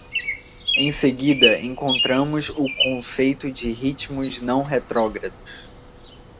Em seguida, encontramos o conceito de ritmos não retrógrados.